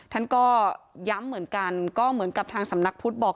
ท่านก็ย้ำเหมือนกันก็เหมือนกับทางสำนักพุทธบอก